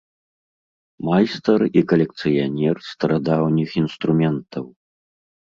Майстар і калекцыянер старадаўніх інструментаў.